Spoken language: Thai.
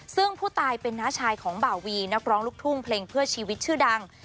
ซึ่งผู้ตายเป็นน้าชายของบ่าวีนักร้องลูกทุ่งเพลงเพื่อชีวิตชื่อดัง